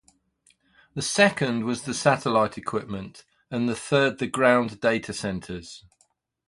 The second was the satellite equipment, and the third the ground data centers.